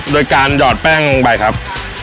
โดยการหยอดแป้งลงไปครับ